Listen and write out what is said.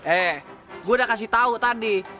eh gue udah kasih tau tadi